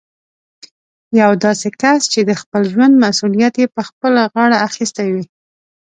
يو داسې کس چې د خپل ژوند مسوليت يې په خپله غاړه اخيستی وي.